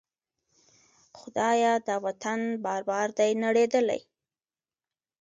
خدایه! دا وطن بار بار دی نړیدلی